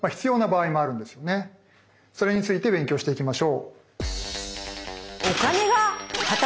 それについて勉強していきましょう。